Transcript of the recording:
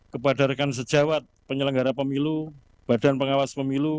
kepada rekan sejawat penyelenggara pemilu badan pengawas pemilu